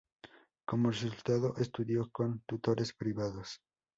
Como resultado, estudió con tutores privados.